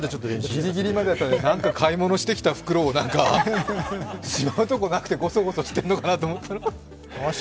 ギリギリまでやってたので、何か買い物してきた袋をしまうとこなくて、ごそごそしてんのかなと思ってたら。